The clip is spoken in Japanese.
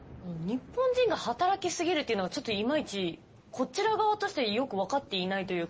日本人が働きすぎるっていうのはちょっとイマイチこちら側としてはよくわかっていないというか。